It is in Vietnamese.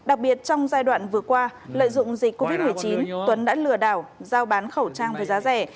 đặc biệt trong giai đoạn vừa qua lợi dụng dịch covid một mươi chín tuấn đã lừa đảo giao bán khẩu trang với giá rẻ